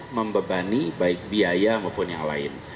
membebani baik biaya maupun yang lain